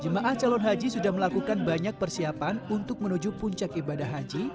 jemaah calon haji sudah melakukan banyak persiapan untuk menuju puncak ibadah haji